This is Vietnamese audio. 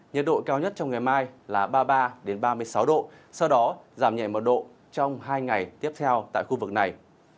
nhiệt độ cao nhất trong ngày mai là ba mươi ba ba mươi sáu độ sau đó giảm nhẹ một độ trong hai ngày tiếp theo tại khu vực này